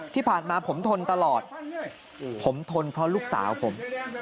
ที่ผ่านมาผมทนตลอดผมทนเพราะลูกสาวผม